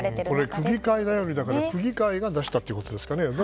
これ、区議会だよりだから区議会が出したということですかね。